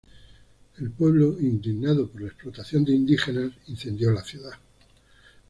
El pueblo indignado por la explotación de indígenas incendió la ciudad.